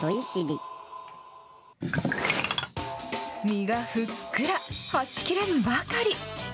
身がふっくら、はち切れんばかり。